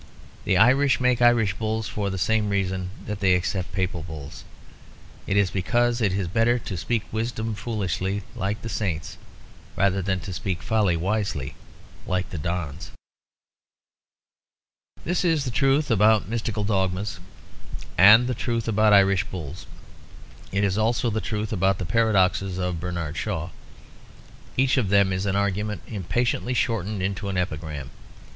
The Irish make Irish bulls for the same reason that they accept Papal bulls. It is because it is better to speak wisdom foolishly, like the Saints, rather than to speak folly wisely, like the Dons. This is the truth about mystical dogmas and the truth about Irish bulls; it is also the truth about the paradoxes of Bernard Shaw. Each of them is an argument impatiently shortened into an epigram.